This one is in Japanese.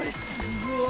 うわ。